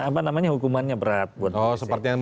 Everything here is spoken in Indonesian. apa namanya hukumannya berat oh seperti yang